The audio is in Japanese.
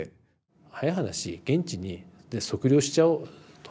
早い話「現地で測量しちゃおうよ」と。